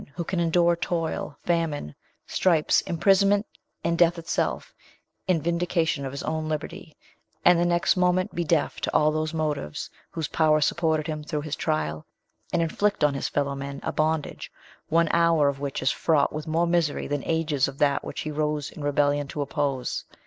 Who can endure toil, famine, stripes, imprisonment, and death itself, in vindication of his own liberty, and the next moment be deaf to all those motives, whose power supported him through his trial, and inflict on his fellow men a bondage, one hour of which is fraught with more misery than ages of that which he rose in rebellion to oppose!